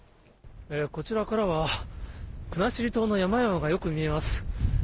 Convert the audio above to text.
こちらからは、国後島の山々がよく見えます。